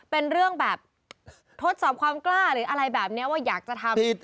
เป็นเรื่องแบบทดสอบความกล้าหรืออะไรแบบนี้ว่าอยากจะทำ